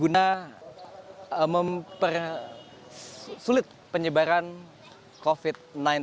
untuk memperlukan penyebaran covid sembilan belas